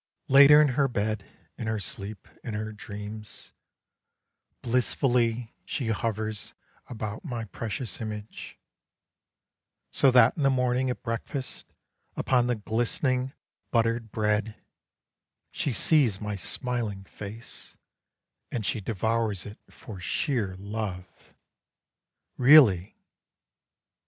Later in her bed, in her sleep, in her dreams, Blissfully she hovers about my precious image, So that in the morning at breakfast Upon the glistening buttered bread, She sees my smiling face, And she devours it for sheer love really!"